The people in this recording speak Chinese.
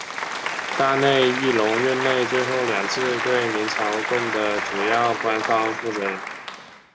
大内义隆任内最后两次对明朝贡的主要官方负责人。